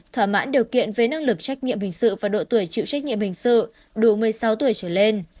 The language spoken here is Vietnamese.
thỏa mãn điều kiện về năng lực trách nhiệm hình sự và độ tuổi chịu trách nhiệm hình sự đủ một mươi sáu tuổi trở lên